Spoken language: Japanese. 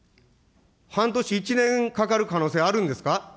半年、１年かかる可能性、あるんですか。